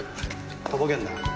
とぼけんな。